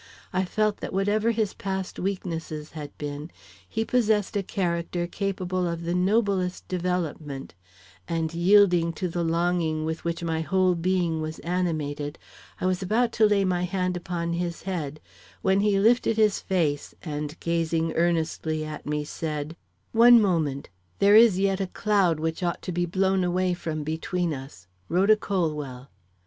I felt that whatever his past weaknesses had been, he possessed a character capable of the noblest development, and, yielding to the longing with which my whole being was animated, I was about to lay my hand upon his head, when he lifted his face and, gazing earnestly at me, said: "One moment; there is yet a cloud which ought to be blown away from between us Rhoda Colwell.